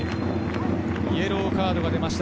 イエローカードが出ました